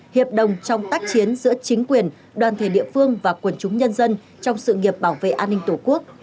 hiệp đồng trong tác chiến giữa chính quyền đoàn thể địa phương và quần chúng nhân dân trong sự nghiệp bảo vệ an ninh tổ quốc